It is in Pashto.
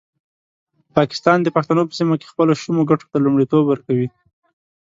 پاکستان د پښتنو په سیمه کې خپلو شومو ګټو ته لومړیتوب ورکوي.